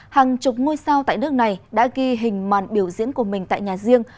hàng chục ngôi sao tại nước này đã ghi hình màn biểu diễn của mình tại nhà riêng